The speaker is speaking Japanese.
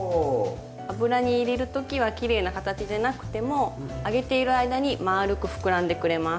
油に入れる時はきれいな形でなくても揚げている間にまあるくふくらんでくれます。